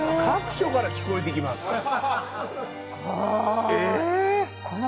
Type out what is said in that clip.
各所から聞こえてきます。